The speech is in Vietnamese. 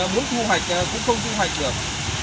muốn thu hoạch cũng không thu hoạch được